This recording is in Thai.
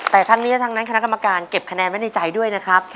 แต่ทั้งนี้ทั้งนั้นคณะกรรมการเก็บคะแนนไว้ในใจด้วยนะครับ